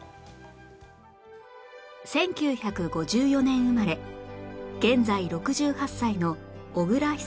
１９５４年生まれ現在６８歳の小倉久寛さん